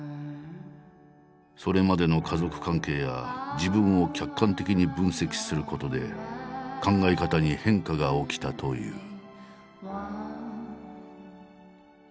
それまでの家族関係や自分を客観的に分析することで考え方に変化が起きたという。